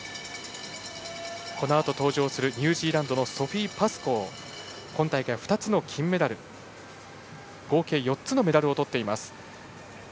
このあと登場するニュージーランドのソフィー・パスコーは今大会２つの金メダル。合計４つのメダルをとっています。